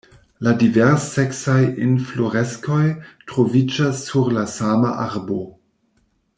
La divers-seksaj infloreskoj troviĝas sur la sama arbo.